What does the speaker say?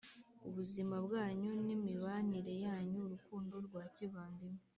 ubuzima bwanyu n’imibanire yanyu. urukundo rwa kivandimwe